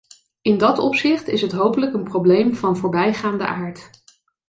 In dat opzicht is het hopelijk een probleem van voorbijgaande aard.